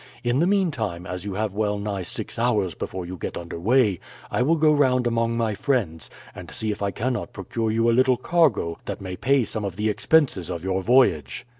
In the meantime, as you have well nigh six hours before you get under way, I will go round among my friends and see if I cannot procure you a little cargo that may pay some of the expenses of your voyage."